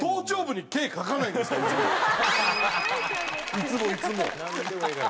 いつもいつも。